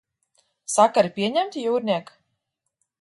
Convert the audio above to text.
Sakari pieņemti, jūrniek?